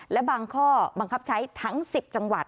และบางข้อบังคับใช้ทั้ง๑๐จังหวัด